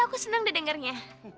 aku senang udah dengarnya